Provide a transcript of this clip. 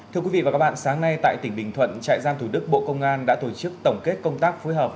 thưa quý vị và các bạn sáng nay tại tỉnh bình thuận trại giam thủ đức bộ công an đã tổ chức tổng kết công tác phối hợp